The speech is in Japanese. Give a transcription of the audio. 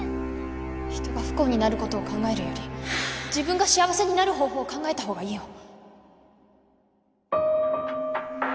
人が不幸になることを考えるより自分が幸せになる方法を考えた方がいいよ